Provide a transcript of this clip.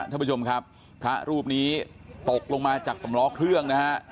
ท่านผู้ชมครับพระรูปนี้ตกลงมาจากสำล้อเครื่องนะฮะ